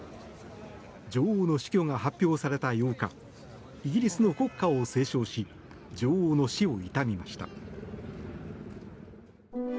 女王の死去が発表された８日イギリスの国歌を斉唱し女王の死を悼みました。